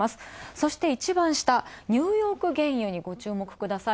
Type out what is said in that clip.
そして一番下、ニューヨーク原油にご注目ください。